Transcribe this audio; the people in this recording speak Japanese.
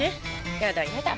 やだやだ。